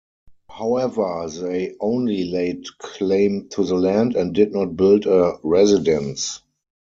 However, they only laid claim to the land and did not build a residence.